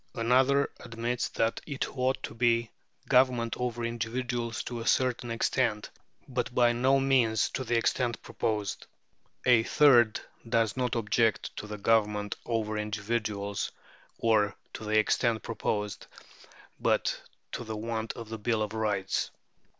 Another admits that it ought to be a government over individuals to a certain extent, but by no means to the extent proposed. A third does not object to the government over individuals, or to the extent proposed, but to the want of a bill of rights.